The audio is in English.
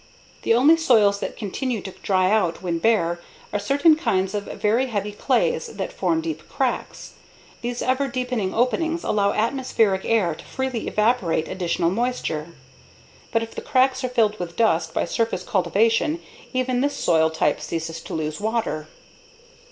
_ The only soils that continue to dry out when bare are certain kinds of very heavy clays that form deep cracks. These ever deepening openings allow atmospheric air to freely evaporate additional moisture. But if the cracks are filled with dust by surface cultivation, even this soil type ceases to lose water.